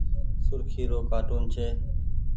سرکي رو ڪآٽون ڇي۔